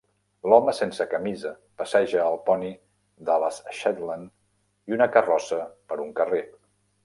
L'home sense camisa passeja el poni de les Shetland i una carrossa per un carrer.